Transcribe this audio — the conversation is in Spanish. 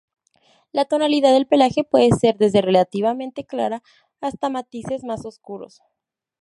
La tonalidad del pelaje puede ser desde relativamente clara hasta matices más oscuros.